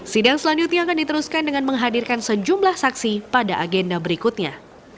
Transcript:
sidang selanjutnya akan diteruskan dengan menghadirkan sejumlah saksi pada agenda berikutnya